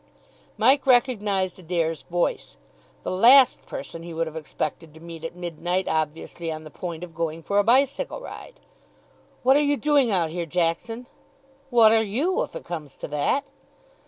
Mike recognised Adair's voice. The last person he would have expected to meet at midnight obviously on the point of going for a bicycle ride. "What are you doing out here, Jackson?" "What are you, if it comes to that?"